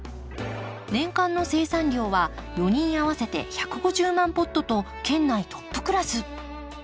年間の生産量は４人合わせて１５０万ポットと県内トップクラス。